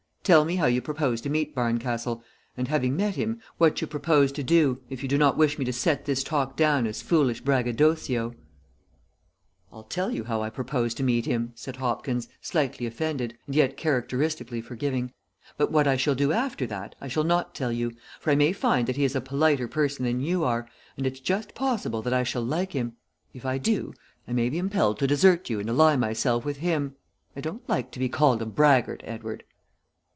Tell me how you propose to meet Barncastle, and, having met him, what you propose to do, if you do not wish me to set this talk down as foolish braggadocio." "I'll tell you how I propose to meet him," said Hopkins, slightly offended, and yet characteristically forgiving; "but what I shall do after that I shall not tell you, for I may find that he is a politer person than you are, and it's just possible that I shall like him. If I do, I may be impelled to desert you and ally myself with him. I don't like to be called a braggart, Edward."